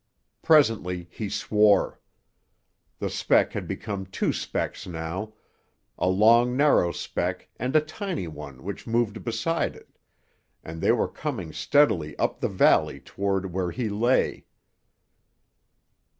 Presently he swore. The speck had become two specks now, a long narrow speck and a tiny one which moved beside it, and they were coming steadily up the valley toward where he lay.